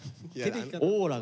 オーラが。